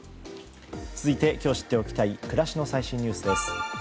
続いて、今日知っておきたい暮らしの最新ニュースです。